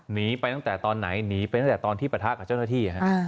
หนีไปตั้งแต่ตอนไหนหนีไปตั้งแต่ตอนที่ปะทะกับเจ้าหน้าที่